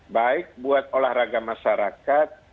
baik buat olahraga masyarakat